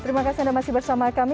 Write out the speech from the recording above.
terima kasih anda masih bersama kami